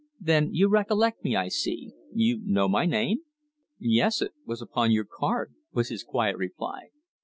"Then you recollect me, I see! You know my name?" "Yes. It was upon your card," was his quiet reply.